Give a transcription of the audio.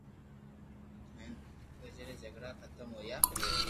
ھين گڄري جگڙا ختم ھويا